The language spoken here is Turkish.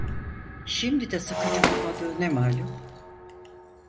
Şimdi de sıkıcı bulmadığı ne malum?